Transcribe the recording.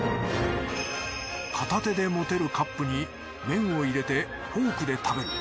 片手で持てるカップに麺を入れてフォークで食べる。